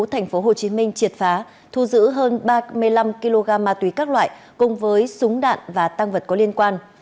tp hcm triệt phá thu giữ hơn ba trăm một mươi năm kg ma túy các loại cùng với súng đạn và tăng vật có liên quan